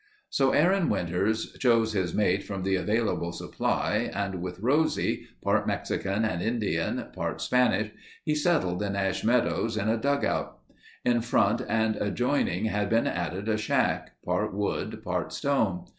So Aaron Winters chose his mate from the available supply and with Rosie, part Mexican and Indian, part Spanish, he settled in Ash Meadows in a dugout. In front and adjoining had been added a shack, part wood, part stone.